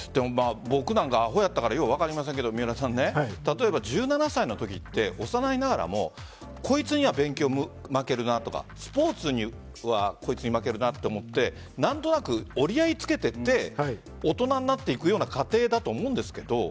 僕なんかはアホだったかよく分かりませんけど例えば１７歳のときって幼いながらもこいつには勉強負けるなとかスポーツにはこいつに負けるなと思って何となく折り合いをつけていって大人になっていくような過程だと思うんですけど。